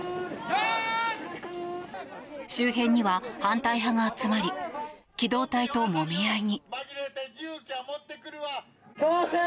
周辺には反対派が集まり機動隊ともみ合いに。